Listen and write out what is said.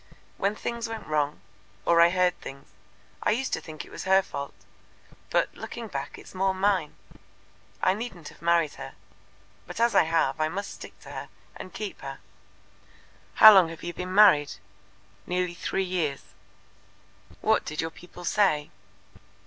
When things went wrong, or I heard things, I used to think it was her fault, but, looking back, it's more mine. I needn't have married her, but as I have I must stick to her and keep her." "How long have you been married?" "Nearly three years." "What did your people say?"